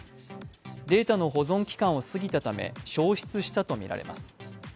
データの保存期間を過ぎたため消失したとみられます。